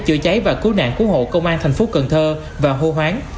chữa cháy và cứu nạn cứu hộ công an thành phố cần thơ và hô hoáng